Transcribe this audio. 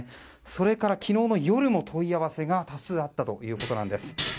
それから昨日の夜も問い合わせが多数あったということです。